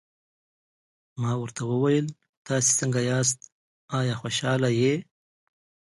ما ورته وویل: تاسي څنګه یاست، آیا خوشحاله یې؟